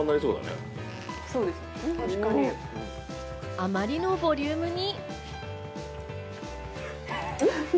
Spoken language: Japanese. あまりのボリュームに。